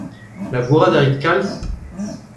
Labourat a rit kalz ?